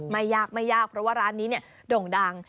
ไม่ยากเพราะว่าร้านนี้โด่งดัง